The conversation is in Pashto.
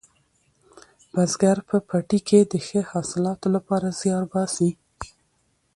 بزګر په پټي کې د ښه حاصلاتو لپاره زیار باسي